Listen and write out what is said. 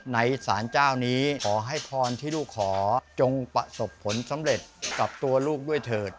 ในสารเจ้านี้ขอให้พรที่ลูกขอจงประสบผลสำเร็จกับตัวลูกด้วยเถิด